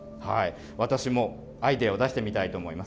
私もアイデアを出してみたいと思います。